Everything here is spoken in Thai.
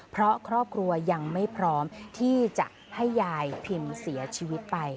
เพราะครอบครัวยังไม่พร้อมที่จะให้ยายพิมเสียชีวิตไป